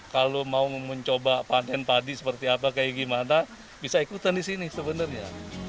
kalau mau mencoba panen padi seperti apa kayak gimana bisa ikutan di sini sebenarnya